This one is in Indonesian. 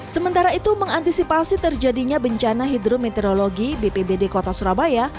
sementara itu mengantisipasi terjadinya bencana hidrometeorologi bpbd kota surabaya